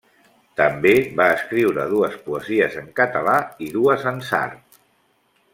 També va escriure dues poesies en català i dues en sard.